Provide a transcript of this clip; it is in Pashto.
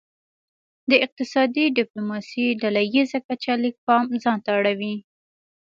د اقتصادي ډیپلوماسي ډله ایزه کچه لږ پام ځانته اړوي